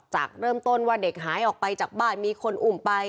จากเริ่มต้นว่าเด็กหายออกไปจากบ้านมีคนอุ่มไป